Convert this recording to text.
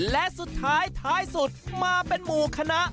และสุดท้ายท้ายสุดมาเป็นหมู่คณะ